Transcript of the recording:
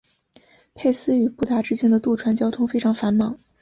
佩斯与布达之间的渡船交通非常繁忙。